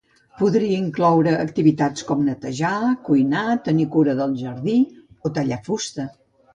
Podria incloure activitats com netejar, cuinar, tenir cura del jardí, o tallar fusta.